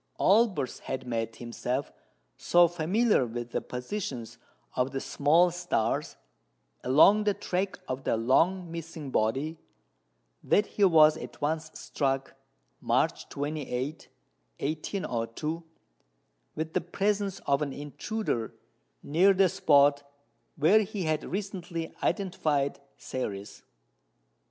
Olbers had made himself so familiar with the positions of the small stars along the track of the long missing body, that he was at once struck (March 28, 1802) with the presence of an intruder near the spot where he had recently identified Ceres.